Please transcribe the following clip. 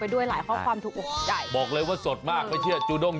โดนแกง